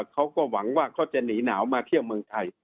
เขาก็หวังว่าเขาจะหนีหนาวมาเที่ยวเมืองไทย